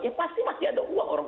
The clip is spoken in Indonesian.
ya pasti masih ada uang orang